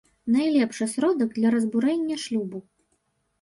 Найлепшы сродак для разбурэння шлюбу.